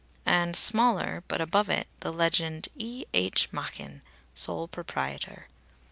(And smaller, but above it, the legend "E. H. Machin. Sole proprietor.")